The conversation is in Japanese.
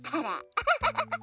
アハハハ！